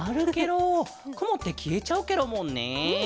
くもってきえちゃうケロもんね。